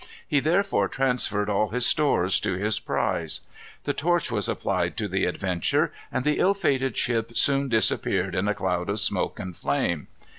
He therefore transferred all his stores to his prize. The torch was applied to the Adventure, and the ill fated ship soon disappeared in a cloud of smoke and flame.